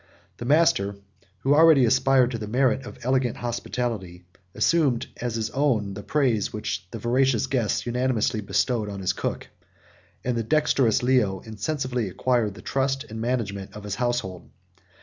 The master who already aspired to the merit of elegant hospitality, assumed, as his own, the praise which the voracious guests unanimously bestowed on his cook; and the dexterous Leo insensibly acquired the trust and management of his household.